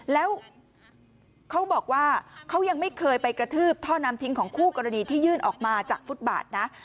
แล้วเขาบอกว่าเขายังไม่เคยไปกระทืบท่อน้ำทิ้งของคู่กรณีที่ยื่นออกมาจากฟุตบาทนะ